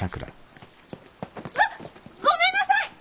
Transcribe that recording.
あっごめんなさい！